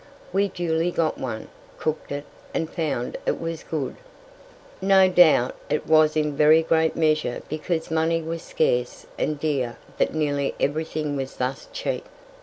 We duly got one, cooked it, and found it very good. No doubt it was in very great measure because money was scarce and dear that nearly everything was thus cheap.